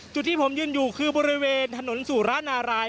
จุดที่ผมยืนอยู่คือบริเวณถนนสุรนาราย